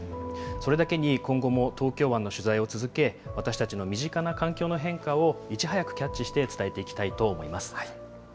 それだけに、今後も東京湾の取材を続け、私たちの身近な環境の変化をいち早くキャッチして、伝えていきたいと思います。